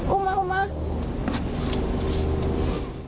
อุ้มันอุ้มัน